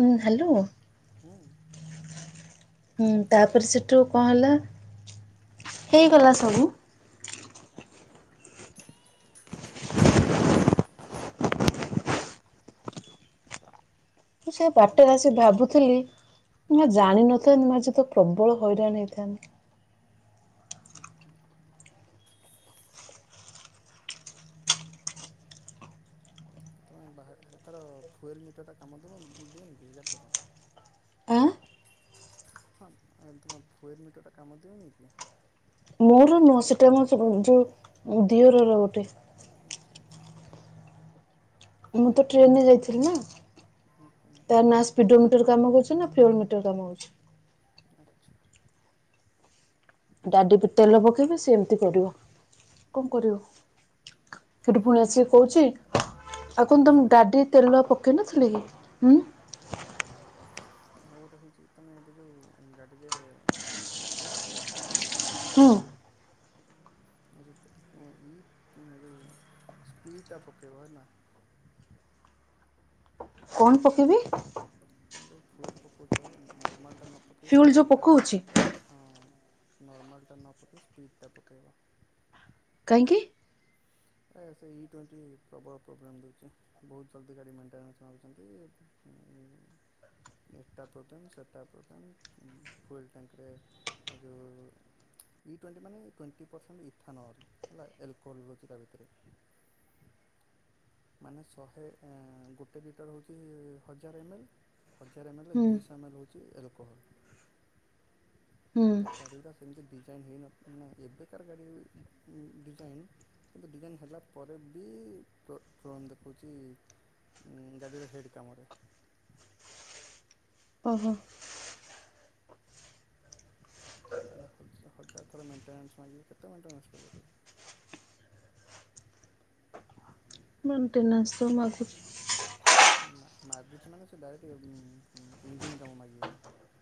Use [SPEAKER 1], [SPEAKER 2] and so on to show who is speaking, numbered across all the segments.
[SPEAKER 1] ହୁଁ ହ୍ୟାଲୋ।
[SPEAKER 2] ହୁଁ।
[SPEAKER 1] ହୁଁ ତାପରେ ସେଠୁ କଣ ହେଲା ହେଇଗଲା ସବୁ। ମୁଁ ମୁଁ ସେୟା ବାଟରେ
[SPEAKER 2] ହ୍ୟାଲୋ
[SPEAKER 1] ଆସି ଭାବୁଥିଲି
[SPEAKER 2] ହୁଁ
[SPEAKER 1] ମା ଜାଣିନଥାନ୍ତି ମୁଁଆଜି। ତ ପ୍ରବଳ ହଇରାଣ ହେଇଥାନ୍ତିି।
[SPEAKER 2] [inaudible] [inaudible]
[SPEAKER 1] ଅଁ।
[SPEAKER 2] ହଁ ତୁମେ ଭୁଏଲ ମିଟରଟା କାମ ଦୋଉନି କି।
[SPEAKER 1] ମୋର ନୁହଁ ସେଟା ମୋ ଯୋଉ ଦିଅରର ଗୋଟେ।
[SPEAKER 2] ଆଚ୍ଛା ଆଚ୍ଛା।
[SPEAKER 1] ମୁଁ ତ ଟ୍ରେନରେ ଯାଇଥିଲି ନା
[SPEAKER 2] ହୁଁ ହୁଁ
[SPEAKER 1] ତାନା। ପିଡମ ମିଟର କାମ କରୁଛି ନା ଫିଓର ମିଟର କାମ କରୁଛି।
[SPEAKER 2] ଆଚ୍ଛା।
[SPEAKER 1] ଡାଡ଼ିବି ତେଲ ପକେଇବେ ସେ ଏମିତି ପଡ଼ିବ କଣ କରିବ। ସେଠୁ ପୁଣି ଆସିକି
[SPEAKER 2] ଆଉ
[SPEAKER 1] କହୁଛି। ଆଉ କଣ ତମେ
[SPEAKER 2] ଶୁଣ
[SPEAKER 1] ଡାଡି ତେଲ ପକେଇ ନଥିଲ କି ହୁଁ।
[SPEAKER 2] ଏଇଟା ହେଉଛି ତୁମେ ଏବେ ଯୋଉ ଗାଡ଼ିରେ ପଉନକି?
[SPEAKER 1] ହୁଁ।
[SPEAKER 2] [inaudible]
[SPEAKER 1] କଣ ପକେଇବି।
[SPEAKER 2] ତୁମେ ଯୋଉ ଫୁଏର ପକଉଛ ନର୍ମାଲଟା ନ ପକାଇ
[SPEAKER 1] ଫିଉଲ ଯୋଉ
[SPEAKER 2] ସ୍ପିଡ଼୍ଟା
[SPEAKER 1] ପକଉଛି
[SPEAKER 2] ପକା। ହଁ ନର୍ମାଲ୍ଟା ନ ପକାଇ ସ୍ପିଡ଼୍ଟା ପକାଇବ।
[SPEAKER 1] କାହିଁକି।
[SPEAKER 2] ତାର ସେଇ ଟ୍ୱେଣ୍ଟି ପ୍ରବଳ ପ୍ରୋବ୍ଲେମ୍ ଦେଉଛି। ବହୁତ ଜଲ୍ଦି ଗାଡ଼ି ମେଣ୍ଟେନାନ୍ସ ମାଗୁଛନ୍ତି। ଏଟା ପ୍ରୋବ୍ଲେମ ସେଟା ପ୍ରୋବ୍ଲେମ ଫୁଲ ଟାଙ୍କିରେ। ଆଯୋଉ। ଟ୍ୱଣ୍ଟି ମାନେ ଟ୍ୱେଣ୍ଟି ପରସେଣ୍ଟ ଇଥା ନହଲେ ହେଲା ଆଲକୋହଲ୍ ରହୁଛି ତା ଭିତରେ। ମାନେ ଶହେ ଗୋଟେ ଲିଟର ହେଉଛି ହଜାର ଏମ୍ଏଲ୍। ହଜାର ଏମ୍ଏଲ୍ ରେ
[SPEAKER 1] ହୁଁ
[SPEAKER 2] ଦୁଇଶହ ଏମ୍ଏଲ୍ ହଉଛି ଆଲ୍ କୋହୋଲ।
[SPEAKER 1] ହୁଁ
[SPEAKER 2] ତ ଗାଡ଼ି ଗୁଡ଼ା ସେମିତି ଡିଜାଇନ୍ ହେଇନଥି ନା ଏବେକାର ଗାଡ଼ି ଡିଜାଇନ୍ କିନ୍ତୁ ଡିଜାଇନ୍ ହେଲା ପରେ ବି ପ କଣ ଦେଖୁଛି ଉଁ ଗାଡିର ହେଡ କାମରେ।
[SPEAKER 1] ଓହୋ।
[SPEAKER 2] ହଜାର ଥର ହଜାର ଥର ମେଣ୍ଟେନ୍ସ ମାଗିବ କେତେ ମଣ୍ଟେନ୍ସ କରିବ ତମେ। [inaudible]
[SPEAKER 1] ମେଣ୍ଟେନନ୍ସ ତ ମାଗୁଛି।
[SPEAKER 2] ନା ମା ମାଗୁଛି ମାନେ ସେ ଡାଇରେକ୍ଟ ଇଞ୍ଜିନ୍ କାମ ମାଗିବ।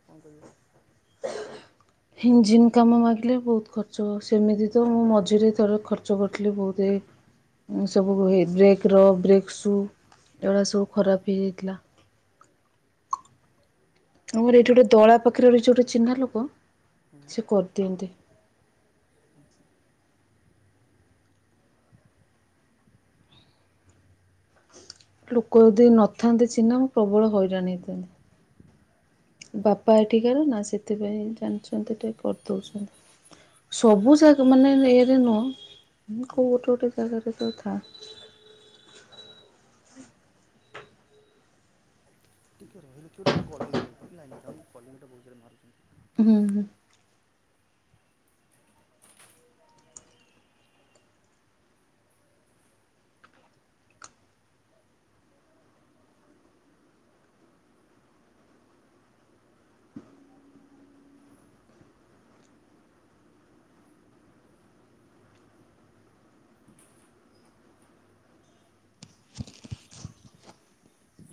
[SPEAKER 2] କଣ କହିବ।
[SPEAKER 1] ଇଞ୍ଜିନ୍ କାମ ମାଗିଲେ ବହୁତ୍ ଖର୍ଚ୍ଚହବ ସେମିତି ତ ମୁଁ ମଝିରେ ଥରେ ଖର୍ଚ୍ଚ କରଥିଲି ବହୁତୁ ଏ ସବୁ ବ୍ରେକ ର ବ୍ରେକ୍ ସୁ ଏଗୁରା ସବୁ
[SPEAKER 2] ହୁଁ
[SPEAKER 1] ଖରାପ ହେଇଯାଇଥିଲା। ଆମର ଏଇଠି ଗୋଟେ ଦଳା ପାଖରେ ରହିଛି ଗୋଟେ ଚିହ୍ନା ଲୋକ
[SPEAKER 2] ହୁଁ
[SPEAKER 1] ସେ କରିଦିଅନ୍ତି। ଲୋକ ଯଦି ନଥାନ୍ତି ଚିହ୍ନା ମୁଁ ପ୍ରବଳ ହଇରାଣ ହେଇଥାନ୍ତି। ବାପା ଏଠିକାର ନା ସେଥିପାଇଁ ଜାଣିଛନ୍ତି ଟିକେ କରିଦଉଛନ୍ତି। ସବୁ ଜାଗା ମାନେ ଇରେ ନୁହଁ କୋଉ
[SPEAKER 2] ହୁଁ
[SPEAKER 1] ଗୋଟେ ଗୋଟେ ଜାଗାରେ ତ ଥାନ୍ତି।
[SPEAKER 2] ଟିକଏ ରହିଲେଛ କିଏ ଗୋଟେ କଲିଙ୍ଗ ବେଲ୍ ଲାଇନ୍ ରେ ଥାଅ ମୁ କଲିଙ୍ଗଟା ବହୁତ୍ ଜୋର ମାରୁଛନ୍ତି।
[SPEAKER 1] ହୁଁ ହୁଁ।
[SPEAKER 2] [inaudible]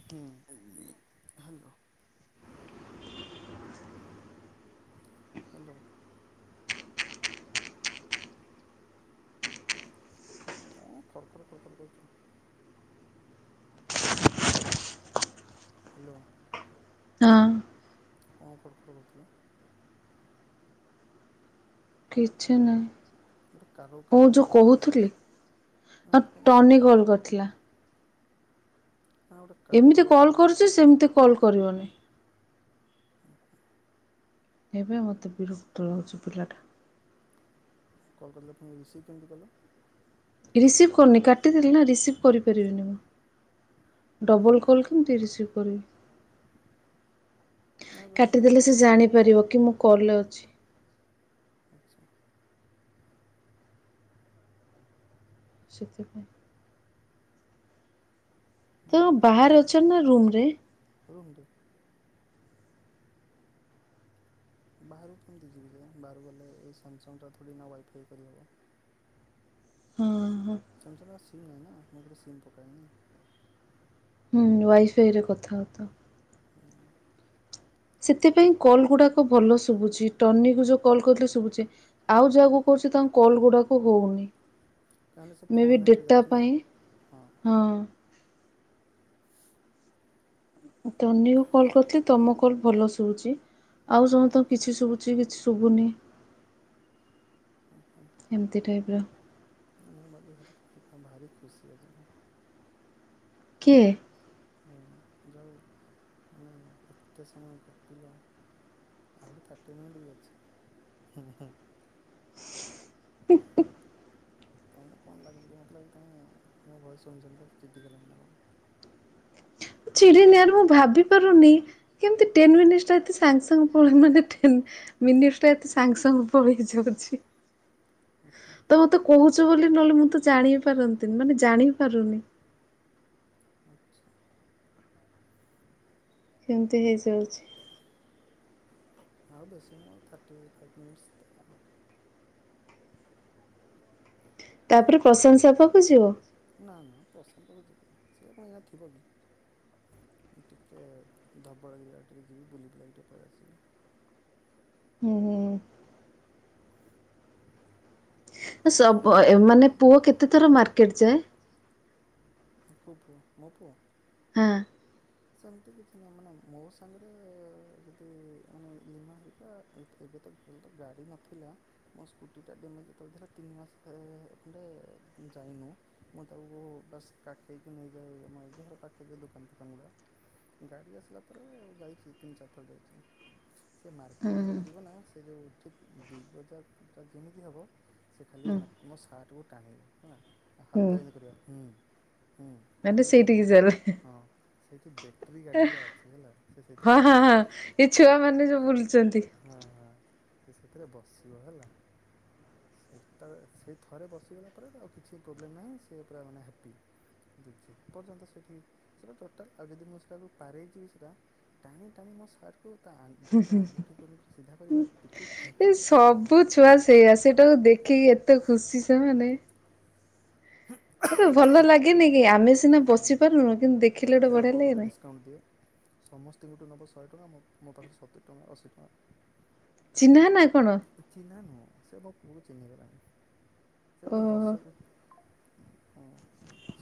[SPEAKER 2] ହୁଁ। ହାଲୋ। ହ୍ୟାଲୋ। ତାପରେ କୋଉ ପଟେ ଯାଇଛ। ହ୍ୟାଲୋ।
[SPEAKER 1] ହଁ।
[SPEAKER 2] କଣ ଖଡ଼ ଖଡ଼ କରୁଥିଲ?
[SPEAKER 1] କିଛି ନାଇଁ।
[SPEAKER 2] ଗୋଟେ କାରଉ
[SPEAKER 1] ଓ
[SPEAKER 2] କାରଉ
[SPEAKER 1] ଯୋଉ
[SPEAKER 2] କାରଉ କାରଉ
[SPEAKER 1] କହୁଥିଲି
[SPEAKER 2] ଏମିତି
[SPEAKER 1] ଆ
[SPEAKER 2] ମାନେ କଣ
[SPEAKER 1] ଟନି
[SPEAKER 2] ଗୋଟେ
[SPEAKER 1] ଗୋଲ କରିଥିଲା।
[SPEAKER 2] ନା ଗୋଟେ କାଡ଼ଉ
[SPEAKER 1] ଏମିତି
[SPEAKER 2] କାଡ଼ଉ
[SPEAKER 1] କଲ୍
[SPEAKER 2] କାଡ଼ଉ କାଡ଼ଉ
[SPEAKER 1] କରୁଛି ସେମିତି କଲ୍ କରିବନି। ଏବେ ମୋତେ ବିରକ୍ତ ଲାଗୁଛି ପିଲାଟା।
[SPEAKER 2] କଲ୍ କଲେ ପୁଣି ରିସିଭ୍ କେମିତି କଲ।
[SPEAKER 1] ରିସିଭ୍ କରୁନି କାଟିଦେଲି ନା ରିସିଭ୍ କରିପାରିବିନି ମୁଁ। ଡବଲ୍ କଲ୍ କିମିତି ରିସିଭ୍ କରିବି।
[SPEAKER 2] ନା ଏବେ ଗୋଟେ କଣ
[SPEAKER 1] କାଟିଦେଲେ ସେ
[SPEAKER 2] ଗୋଟେ
[SPEAKER 1] ଜାଣିପାରିବ କି ମୁଁ କଲ ରେ ଅଛି।
[SPEAKER 2] ଆଚ୍ଛା।
[SPEAKER 1] ସେଥିପାଇଁ। ତ ବାହାରେ ଅଛନ୍ ନା ରୁମ ରେ।
[SPEAKER 2] ରୁମ୍ ତୁ ବାହାରୁ କେମିତି ଯିବି ଯେ ବାହାରୁ କୁ ଗଲେ ଏଇ ସାମସଙ୍ଗଟା ଥୋଡ଼ି ନା ୱାଇଫାଇ କରିହେବ।
[SPEAKER 1] ହୁଁ ହୁଁ।
[SPEAKER 2] ସାମସଙ୍ଗ ସିମ୍ ନାହିଁ ନା ମୁ ଏଥିରେ ସିମ୍ ପକାଏନି।
[SPEAKER 1] ହୁଁ ୱାଇଫାଇରେ କଥା ହୋଉ ଥା ଅ।
[SPEAKER 2] ହୁଁ।
[SPEAKER 1] ସେଥିପାଇଁ କଲ୍ ଗୁଡାକ ଭଲ ଶୁଭୁଛି ଟର୍ନି କୁ ଯୋଉ କଲ୍ କରିଥିଲି ଶୁଭୁଛି। ଆଉ ଯାହାକୁ କରୁଚି ତାଙ୍କ କଲ ଗୁଡାକୁ ହୋଉନି।
[SPEAKER 2] କାହିଁକିନା ସେ
[SPEAKER 1] ମେ
[SPEAKER 2] ଫୋନ୍
[SPEAKER 1] ବି
[SPEAKER 2] ନେଟ୍ରେ
[SPEAKER 1] ଡେଟା
[SPEAKER 2] ଯାଉଛି ନା
[SPEAKER 1] ପାଇଁ ହଁ। ଟନିକୁ କଲ୍ କରିଥିଲି ତମ କଲ୍ ଭଲ ଶୁଭୁଛି। ଆଉ ସମସ୍ତଙ୍କୁ କିଛି ଶୁବୁଛି କିଛି ଶୁବୁନି। ଏମତି ଟାଇପ୍ର।
[SPEAKER 2] ମୁଁ ମୋର ବାହାରି [unintelligible] ବାହାରି ଖୁସି ଆଜି ମୁଁ।
[SPEAKER 1] କିଏ?
[SPEAKER 2] ଏଁ ଯଉ ମାନେ ଏତେ ସମୟ ଗପିଲ। ଆହୁରି ଥାର୍ଟି ମିନିଟ୍ ବି ଅଛି।
[SPEAKER 1] [unintelligible]
[SPEAKER 2] ତମୁକୁ କଣ ଲାଗୁଚି ଯେ ମତେ ଲାଗୁଚି ତମେ ମୋ ଭଏସ ଶୁଣିଶୁଣି ଚିଡି ଗଲଣି ନା କଣ।
[SPEAKER 1] ଚିଡିନି ଆରେ ମୁଁ ଭାବି ପାରୁନି। କେମିତି ଟେନ୍ ମିନିଟ୍ଶଟା ଏତେ ସାଙ୍ଗସାଙ୍ଗ ପଳେ ମାନେ ଟେନ। ମିନିଟ୍ଶଟା ଏତେ ସାଙ୍ଗେ ସାଙ୍ଗେ ପଳେଇ ଯାଉଛି। ତ ମତେ କହୁଛୁ ବୋଲି ନହଲେ ମୁଁ ତ ଜାଣି ପାରନ୍ତିନି ମାନେ ଜାଣିପାରୁନି।
[SPEAKER 2] ଆଚ୍ଛା।
[SPEAKER 1] କେମତି ହେଇଯାଉଛି।
[SPEAKER 2] ଆଉ ବେଶୀ ନୁହୁଁ ଆଉ ଥାର୍ଟି ଫାଇଭ୍ ମିନିଟ୍ଶ ତ। ଆଚ୍ଛା
[SPEAKER 1] ତାପରେ ପ୍ରଶାନ୍ତ ସାର୍ ପାଖୁ ଯିବ?
[SPEAKER 2] ନା ନା ପ୍ରଶାନ୍ତ ପାଖୁ ଯିବିନି ସେ କଣ ଏଇନା ଥିବ କି। ମୁଁ ଟିକି ଧବଳଗିରୀଆଡେ ଟିକେ ଯିବି ବୁଲି ବୁଲାକି ଟିକେ ପଳେଇ ଆସିବି।
[SPEAKER 1] ହୁଁ ହୁଁ। ମୁଁ ସବ ଏ ମାନେ ପୁଅ କେତେଥର ମାର୍କେଟ ଯାଏ?
[SPEAKER 2] ତାଙ୍କ ପୁଅ ମୋ ପୁଅ।
[SPEAKER 1] ହଁ।
[SPEAKER 2] ସେମିତି କିଛି ନୁହଁ ମାନେ ମୋ ସାଙ୍ଗରେ ଯଦି ମାନେ ଲିମା ହେରିକା। ଏତ୍ ଏବେ ତ ଯେହେତୁ ଗାଡ଼ି ନଥିଲା। ମୋ ସ୍କୁଟିଟା ଡ୍ୟାମେଜ୍ ଯେତେବେଳେ ଥିଲା ତିନି ମାସ ଖଣ୍ଡେ ଯାଇନୁ। ମୁଁ ତାକୁ ବାସ୍ କାଖେଇକି ନେଇଯାଏ ଆମ ଘରପାଖ ଯୋଉ ଦୋକାନ ଫୋକାନ ଗୁଡ଼ା। ଗାଡ଼ି ଆସିଲା ପରେ ଯାଇଛି ତିନ ଚାରଥର ଯାଇଛି। ସେ ମାର୍କେଟ
[SPEAKER 1] ହୁଁ
[SPEAKER 2] ର ଯିବନା ସେ ଯୋଉ ଠିକ୍ ବିଗ୍ ବଜାରଟା ଯେମିତି ହବ। ସେ ଖାଲି
[SPEAKER 1] ହୁଁ।
[SPEAKER 2] ମୋ ମୋ ସାର୍ଟକୁ ଟାଣିବା ହେଲା ତା
[SPEAKER 1] ହୁଁ
[SPEAKER 2] ହାତରେ ଏନ୍ତି କରିବ ହୁଁ। ହୁଁ
[SPEAKER 1] ମାନେ
[SPEAKER 2] କାହିଁକିନା
[SPEAKER 1] ସେଇଠିକି
[SPEAKER 2] ସେଠି
[SPEAKER 1] ଚାଲେ
[SPEAKER 2] ହଁ। ସେଇଠି ବେଟ୍ରୀ ଗାଡ଼ିଗୁଡ଼ା ଅଛି ହେଲା ସେ ସେଇଥିରେ
[SPEAKER 1] ହଁ ହଁ ହଁ
[SPEAKER 2] ବସିବ।
[SPEAKER 1] ଏ ଛୁଆ ମାନେ ଯୋଉ ବୁଲୁଛନ୍ତି।
[SPEAKER 2] ହଁ ହଁ ତ ସେଥିରେ ବସିବ ହେଲା। ସେତବଳେ ସେଇ ଥରେ ବସିଗଲା ପରେ ଆଉ କିଛି ପ୍ରୋବ୍ଲେମ୍ ନାହିଁ ସେ ପୁରା ମାନେ ହାପି। କିନ୍ତୁ ଯେପର୍ଯ୍ୟନ୍ତ ସେଠି [unintelligible] ଟାଲ ଆଉ ଯଦି ମୁଁ ସେଟାକୁ ପାରେଇ ଯିବି ସେଟା ଟାଣି ଟାଣି ମୋ ସାର୍ଟ। କୁ ତା ଆଙ୍ଗୁ ଗୋଟେ ଆଙ୍ଗୁଠିକୁ ସିଧା କରିକି ମୋ ପିଠିକୁ
[SPEAKER 1] ଏ
[SPEAKER 2] ଖେଞ୍ଚି ଖେଞ୍ଚି ମୋତେ
[SPEAKER 1] ସବୁ
[SPEAKER 2] ହଁ
[SPEAKER 1] ଛୁଆ ସେଇଆ ସେଟାକୁ ଦେଖିକି ଏତେ ଖୁସି ସେମାନେ। ଗୋଟେ ଭଲ
[SPEAKER 2] ଖୁସି
[SPEAKER 1] ଲାଗେନିକି ଆମେ ସିନା ବସି ପାରୁନୁ କିନ୍ତୁ ଦେଖିଲେ ଗୋଟେ ବଢିଆ ଲାଗେନି।
[SPEAKER 2] କାଉଣ୍ଟ ଦେ। ସମସ୍ତିଙ୍କଠୁ ନବ ଶହେଟଙ୍କା ମୋ ମୋ ପାଖୁରୁ ସତୁରି ଟଙ୍କା ଅଶୀ ଟଙ୍କା।
[SPEAKER 1] ଚିହ୍ନା ନା କଣ?
[SPEAKER 2] ଅଚିହ୍ନା ନୁହଁ ସେ ମୋ ପୁଅ ଚିହ୍ନିଗଲାଣିି ସେ ବୋଧେ
[SPEAKER 1] ଓହୋ
[SPEAKER 2] ବର୍ଷ ବି ହଁ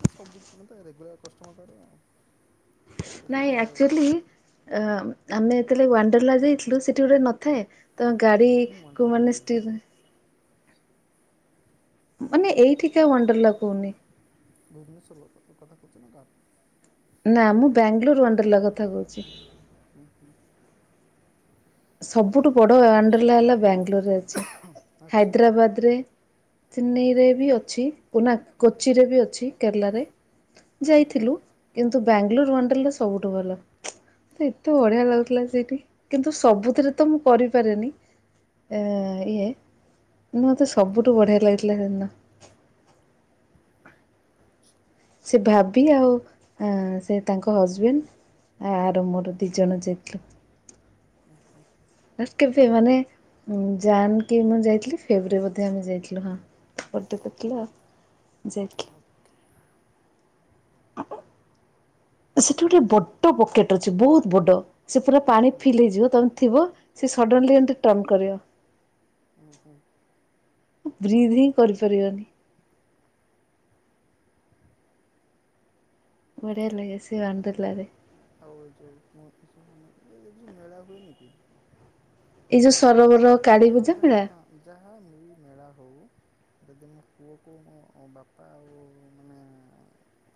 [SPEAKER 2] ସେ ସବୁ ମତେ [inaudible] ରେଗୁଲାର କଷ୍ଟମର୍ ତାର ଆଉ ସେ ପୁଣି
[SPEAKER 1] ନାଇଁ
[SPEAKER 2] ତାର
[SPEAKER 1] ଆକ୍ଚୁଆଲି
[SPEAKER 2] ଅଛି
[SPEAKER 1] ଆମେ ଯେତେବେଳେ ୱାଣ୍ଡରେଲା ଯାଇଥିଲୁ ସେଠି ଗୋଟେ ନଥାଏ ତ ଗାଡି
[SPEAKER 2] ମୁଁ
[SPEAKER 1] କୁ
[SPEAKER 2] ୱାଣ୍ଡ୍ରେଲା
[SPEAKER 1] ମାନେ
[SPEAKER 2] ଯାଇନି।
[SPEAKER 1] ଷ୍ଟି ମାନେ ଏଇଠିକା ୱାଣ୍ଡ୍ରେଲା କହୁନି।
[SPEAKER 2] ଭୁବନେଶ୍ୱର କଥା କହୁଛ ନା ଗା
[SPEAKER 1] ନା ମଁ ବାଙ୍ଗାଲୋର ୱାଣ୍ଡ୍ରେଲା କଥା କହୁଛି।
[SPEAKER 2] ଓୁଁ ହୋଁ
[SPEAKER 1] ସବୁଠୁ ବଡ ୱାଣ୍ଡ୍ରେଲା ହେଲା ବାଙ୍ଗଲୋର ରେ ଅଛି
[SPEAKER 2] ଆଚ୍ଛା
[SPEAKER 1] ହାଇଦ୍ରାବାଦ ରେ ଚେନ୍ନାଇ ରେ ବି ଅଛି ଓନା କୋଚି ରେ ବି ଅଛି କେରଲାରେ। ଯାଇଥିଲୁ କିନ୍ତୁ ବାଙ୍ଗାଲୋର ୱାଣ୍ଡ୍ରେଲା ସବୁଠୁ ଭଲ। ତ ଏତେ ବଢିଆ ଲାଗୁଥିଲା ସେଇଠି କିନ୍ତୁ ସବୁଥିରେ ତ ମୁଁ କରିପାରେନି। ଏ ଇଏ ମତେ ସବୁଠୁ ବଢିଆ ଲାଗିଥିଲା ସେଦିନ। ସେ ଭାବି ଆଉ ସେ ତାଙ୍କ ହଜବେଣ୍ଡ ଆର ମୋର ଦିଇ ଜଣ ଯେତି ତୃପ୍
[SPEAKER 2] ହୁଁ ହୁଁ
[SPEAKER 1] କେବେ ମାନେ ଉ ଜାନ୍କ ମୁଁ ଯାଇଥିଲି ଫେବରେ ମଧ୍ୟ ଆମେ ଯାଇଥିଲ [inaudible] ହଁ ପଦେ ତ ଥିଲା ଆଉ ଯାଇକି
[SPEAKER 2] ମୁତି [inaudible]
[SPEAKER 1] ସେଠି ଗୋଟେ ବଡ ବକେଟ ଅଛି ବହୁତ ବଡ। ସେ ପୁରା ପାଣି
[SPEAKER 2] ହୁଁ
[SPEAKER 1] ଫିଲ ହେଇଯିବ ତମେ ଥିବ। ସେ ସଡ଼େନଲି ଏମିତି ଟର୍ଣ୍ଣ କରିବ।
[SPEAKER 2] ହୁଁ
[SPEAKER 1] ବ୍ରିଧ ହିଁ କରିପାରିବାନି।
[SPEAKER 2] [unintelligible]
[SPEAKER 1] ବଢ଼ିଆଲାଗେ ସେ ୱାଣ୍ଡ୍ରେଲାାରେ।
[SPEAKER 2] ଆଉ ଏ ଯୋଉ ମୋ ଅଫିସ୍ ମାନଙ୍କରେ ଏ ଯୋଉ ମେଳା ହୁଏନି କି?
[SPEAKER 1] ଏଇ ଯୋଉ ସରୋବର କାଳୀ
[SPEAKER 2] ହଁ
[SPEAKER 1] ପୂଜା
[SPEAKER 2] ଯ
[SPEAKER 1] ମେଳା
[SPEAKER 2] ହଁ ଯାହା ମିଳିମେଳା ହଉ। ଯଦି ମୋ ପୁଅକୁ ମୋ ବାପା ଆଉ ମାନେ-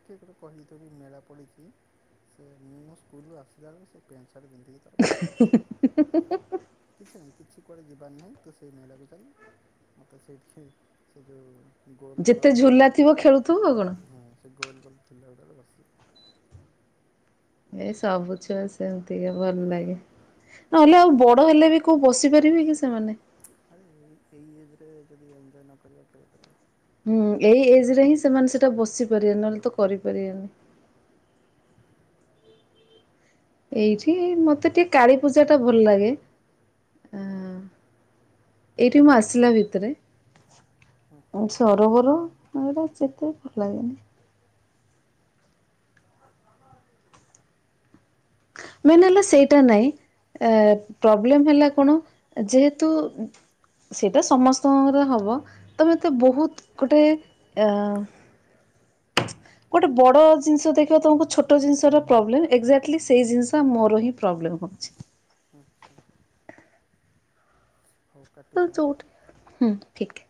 [SPEAKER 2] କିଏ ଗୋଟେ କହିଛି ଯଦି କି ମେଳା ପଡ଼ିଛି ସେ ମୁଁ ମୋ ସ୍କୁଲରୁୁ ଆସିଲା ବଳକୁ ସେ ପ୍ୟାଣ୍ଟ ସାର୍ଟ ପିନ୍ଧିକିଥି
[SPEAKER 1] [unintelligible]
[SPEAKER 2] କିଛି ନାହିଁ କିଛି କୁଆଡ଼େ ଯିବାର ନାହିଁ ତୁ ସେଇ ମେଳାକୁ ଚାଲ ମୋତେ ସେଇଠିକି ସେ ଯେଉଁ ଗୋନ
[SPEAKER 1] ଯେତେ
[SPEAKER 2] କଲେଜ
[SPEAKER 1] ଝୁଲା ଥିବ ଖେଳୁଥିବ ଆଉ କଣ
[SPEAKER 2] ହଁ ସେ ଗୋନ କଲେଜ ଲା ଗୁଡ଼ାକ ବସି [inaudible]
[SPEAKER 1] ଏ ସବୁ ଛୁଆ ସେମିତିକ ଭଲ ଲାଗେ ନହେଲେ ଆଉ ବଡ ହେଲେ ବି କୋଉ ବସିପାର ପିଇବେ କି ସେମାନେ?
[SPEAKER 2] ଆରେ ଏ ଏଇ ଏଜ୍ ରେ ଯଦି ଏଞ୍ଜୟ ନ କରିବା କେବେ କରିବା?
[SPEAKER 1] ହୁଁ ଏଇ ଏଜ ରେ ହିଁ ସେମାନେ ସେଇଟା ବସି ପାରିବେ ନହେଲେ ତ କରିପାରିବେନି। ଏଇଠି ମତେ ଟିକେ କାଳୀ ପୂଜା ଟା ଭଲ ଲାଗେ ଆ
[SPEAKER 2] ହଁ
[SPEAKER 1] ଏଇଠି ମୁଁ ଆସିଲା ଭିତରେ
[SPEAKER 2] ହଁ
[SPEAKER 1] ସରୋବର ଏଟା ଯେତେ ଭଲ ଲାଗେନି।
[SPEAKER 2] [unintelligible]
[SPEAKER 1] ମେନ୍ ହେଲା ସେଇଟା ନାଇଁ ଏ ପ୍ରୋବ୍ଲେମ ହେଲା କଣ ଯେହେତୁ ସେଇଟା ସମସ୍ତଙ୍କର ହବ ତମେ ଏ ତେ ବହୁତ ଗୋଟେ ଅ ଗୋଟେ ବଡ ଜିନିଷ ଦେଖିବା ତମକୁ ଛୋଟ ଜିନିଷର ପ୍ରୋବ୍ଲେମ ଏକ୍ଜାଟ୍ଲି ସେଇ ଜିନିଷ ମୋର ହିଁ ପ୍ରୋବ୍ଲେମ୍ ହେଉଛି।
[SPEAKER 2] [unintelligible] ହଉ
[SPEAKER 1] ହଁ
[SPEAKER 2] କାଟିଦିଅ।
[SPEAKER 1] ଚଉଠି ହୁଁ ଠିକ ଠିକ